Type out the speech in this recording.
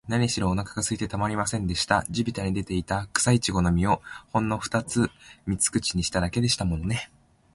なにしろ、おなかがすいてたまりませんでした。地びたに出ていた、くさいちごの実を、ほんのふたつ三つ口にしただけでしたものね。